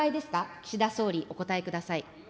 岸田総理、お答えください。